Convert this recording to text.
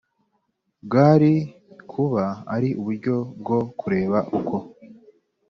bwari kuba ari uburyo bwo kureba uko